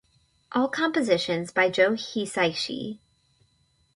All compositions by Joe Hisaishi.